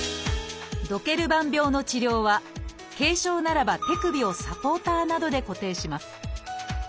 ドケルバン病の治療は軽症ならば手首をサポーターなどで固定します。